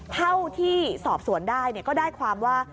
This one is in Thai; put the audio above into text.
เท่าที่สอบสวนได้ก็ได้ความว่า